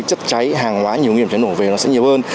chất cháy hàng hóa nhiều điểm cháy nổ về nó sẽ nhiều hơn